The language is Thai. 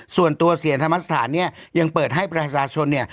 ส่วนตัวเสียรธรรมสถานเนี่ยยังเปิดให้ประชาชนเนี่ย